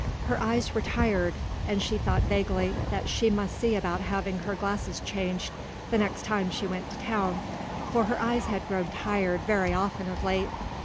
Her eyes were tired, and she thought vaguely that she must see about having her glasses changed the next time she went to town, for her eyes had grown tired very often of late.